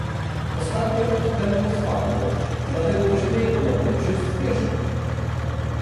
Ostatnio ich tempo spadło, dlatego musimy je ponownie przyspieszyć